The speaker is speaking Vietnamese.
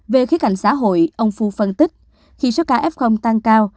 về khía cạnh xã hội ông fu phân tích khi số ca f tăng cao